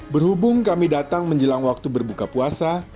berhubung kami datang menjelang waktu berbuka puasa